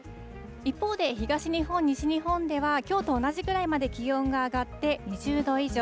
一方で、東日本、西日本ではきょうと同じぐらいまで気温が上がって２０度以上。